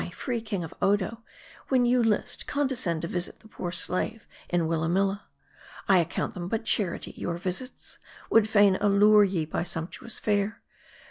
Ay, free king of Odo, when you list, condescend to visit the poor slave in Willarnilla. I account them but charity, your visits ; would fain allure ye by sumptuous fare.